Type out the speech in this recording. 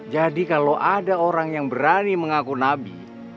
jadi kalau ada orang yang berani mengaku nabi